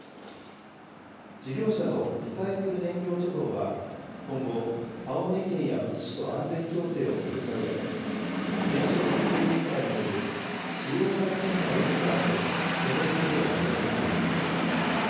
事業者のリサイクル燃料貯蔵は、今後、青森県やむつ市と安全協定を結んだうえで、原子力規制委員会による使用前検査を受けたあと、貯蔵事業を始める方針です。